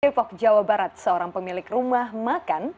depok jawa barat seorang pemilik rumah makan